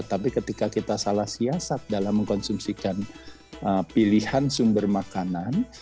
tapi ketika kita salah siasat dalam mengkonsumsikan pilihan sumber makanan